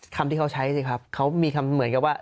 คำที่เขาใช้สิครับเขามีคำเหมือนกับว่า